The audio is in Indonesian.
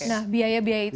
nah biaya biaya itu